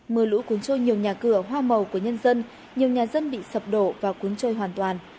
mưa lũ cuốn trôi nhiều nhà cửa hoa màu của nhân dân nhiều nhà dân bị sập đổ và cuốn trôi hoàn toàn